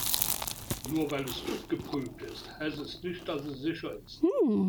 Nur weil es TÜV-geprüft ist, heißt es nicht, dass es sicher ist.